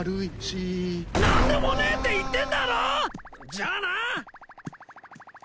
じゃあな！